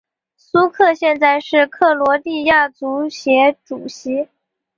苏克现在是克罗地亚足协主席。